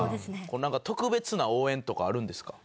こうなんか特別な応援とかあるんですか？